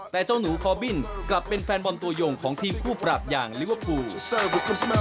แต่เจ้าหนูคอบินกลับเป็นแฟนบอลตัวยงของทีมคู่ปรับอย่างลิเวอร์พูลสมา